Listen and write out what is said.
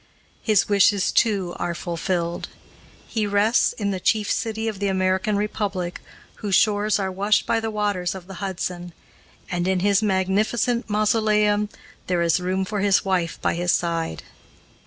His wishes, too, are fulfilled. He rests in the chief city of the American Republic, whose shores are washed by the waters of the Hudson, and in his magnificent mausoleum there is room for his wife by his side.